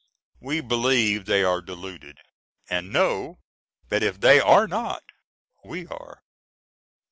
We believe they are deluded, and know that if they are not, we are.